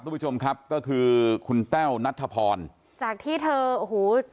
คุณผู้ชมครับก็คือคุณแต้วนัทธพรจากที่เธอโอ้โห